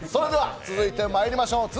続いてまいりましょう。